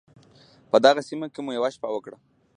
په دغې سیمه کې مو یوه شپه وکړه.